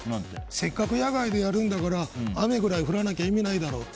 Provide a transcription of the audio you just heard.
せっかく野外でやるんだから雨ぐらい降らなきゃ意味ないだろ！